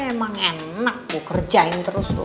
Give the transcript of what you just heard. emang enak gue kerjain terus tuh